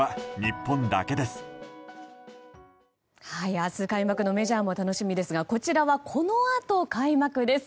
明日、開幕のメジャーも楽しみですがこちらは、このあと開幕です。